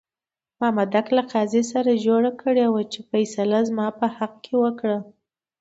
مامدک له قاضي سره جوړه کړې وه چې فیصله زما په حق کې وکړه.